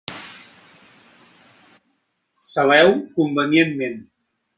Saleu convenientment.